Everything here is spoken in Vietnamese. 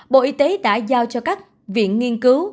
bộ y tế đã giao cho các viện nghiên cứu